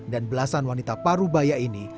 dan belasan wanita paru baya ini